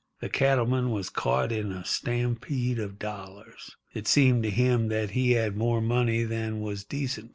The cattleman was caught in a stampede of dollars. It seemed to him that he had more money than was decent.